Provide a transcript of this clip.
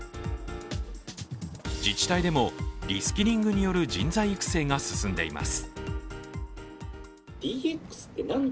自治体でもリスキリングによる人材育成が進んでいます。